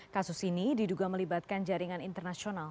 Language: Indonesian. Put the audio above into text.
kasus ini diduga melibatkan jaringan internasional